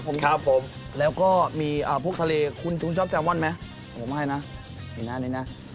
ครับผมแล้วก็มีพวกทะเลคุณชอบจะอ้อนไหมผมมาให้นะอีกนานนิดนาน